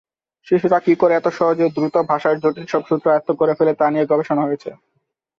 শিশুরা কী করে এত সহজে ও দ্রুত ভাষার জটিল সব সূত্র আয়ত্ত করে ফেলে তা নিয়ে গবেষণা হয়েছে।